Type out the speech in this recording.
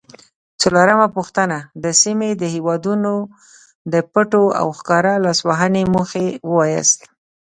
څلورمه پوښتنه: د سیمې د هیوادونو د پټو او ښکاره لاسوهنو موخې ووایاست؟